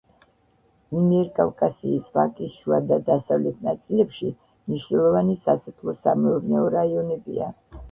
იმიერკავკასიის ვაკის შუა და დასავლეთ ნაწილებში მნიშვნელოვანი სასოფლო-სამეურნეო რაიონებია.